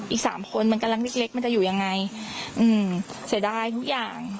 อีกสามคนมันกำลังเล็กเล็กมันจะอยู่ยังไงอืมเสียดายทุกอย่าง